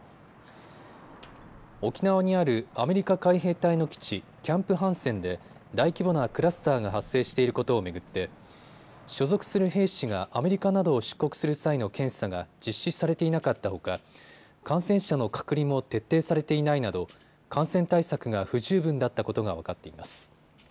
沖縄にあるアメリカ海兵隊の基地、キャンプハンセンで大規模なクラスターが発生していることを巡って所属する兵士がアメリカなどを出国する際の検査が実施されていなかったほか感染者の隔離も徹底されていないなど感染対策が不十分だったことが分かっています。